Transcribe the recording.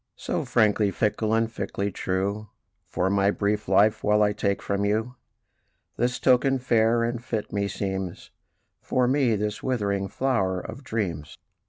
"So, frankly fickle, and fickly true, For my brief life while I take from you This token, fair and fit, meseems, For me this withering flower of dreams."